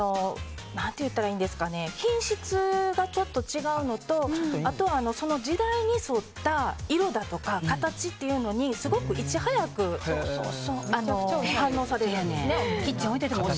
品質がちょっと違うのとあとはその時代に沿った色だとか形っていうのにすごく、いち早く反応されるんですね。